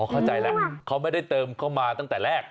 เข้าใจแล้วเขาไม่ได้เติมเข้ามาตั้งแต่แรก